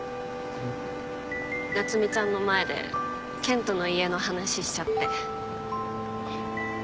夏海ちゃんの前で健人の家の話しちゃって。